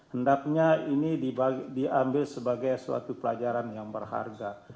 hendaknya ini diambil sebagai suatu pelajaran yang berharga